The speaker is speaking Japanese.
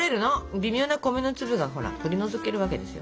微妙な米の粒が取り除けるわけですよ。